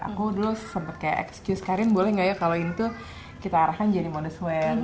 aku dulu sempat kayak excuse karin boleh nggak ya kalau itu kita arahkan jadi modest wear